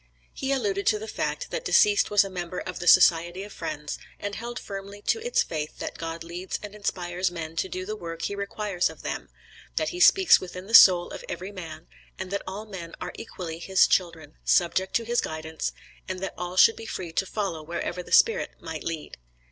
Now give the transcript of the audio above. He alluded to the fact, that deceased was a member of the Society of Friends, and held firmly to its faith that God leads and inspires men to do the work He requires of them, that He speaks within the soul of every man, and that all men are equally His children, subject to His guidance, and that all should be free to follow wherever the Spirit might lead.